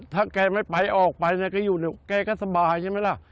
ถ้าแกไม่ไปออกไปแกอยู่แกก็สบายใช่ไหมล่ะ